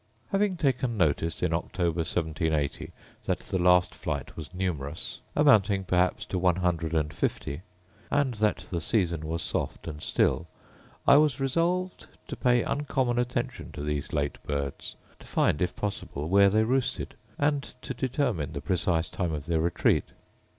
Having taken notice, in October 1780, that the last flight was numerous, amounting perhaps to one hundred and fifty; and that the season was soft and still; I was resolved to pay uncommon attention to these late birds; to find, if possible, where they roosted, and to determine the precise time of their retreat.